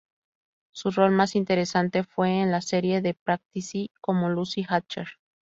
Su rol más interesante fue en la serie "The Practice" como Lucy Hatcher.